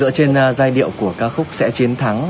dựa trên giai điệu của ca khúc sẽ chiến thắng